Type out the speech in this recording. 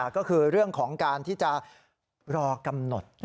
ก็คือเรื่องของการที่จะรอกำหนด